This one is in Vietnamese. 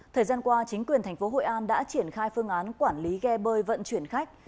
thời gian qua chính quyền thành phố hội an đã triển khai phương án quản lý ghe bơi vận chuyển khách